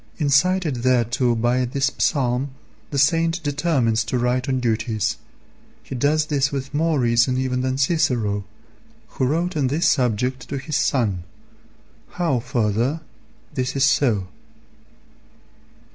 Incited thereto by this psalm the saint determines to write on duties. He does this with more reason even than Cicero, who wrote on this subject to his son. How, further, this is so.